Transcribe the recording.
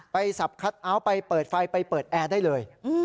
สับคัทเอาท์ไปเปิดไฟไปเปิดแอร์ได้เลย